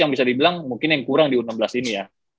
yang bisa dibilang mungkin yang kurang di u enam belas ini ya